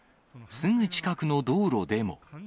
すぐ近くの道路でも。